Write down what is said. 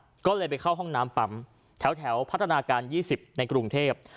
ก็เลยไปเข้าห้องน้ำปั๊มแถวพัฒนาการ๒๐ในกรุงเทพ